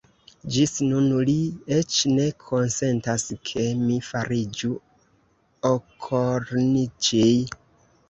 Ĝis nun li eĉ ne konsentas, ke mi fariĝu okolniĉij.